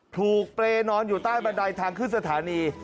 ถูกเปรย์นอนอยู่ใต้บันไดทางขึ้นสถานี